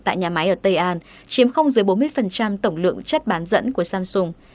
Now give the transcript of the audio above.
tại nhà máy ở tây an chiếm không dưới bốn mươi tổng lượng chất bán dẫn của samsung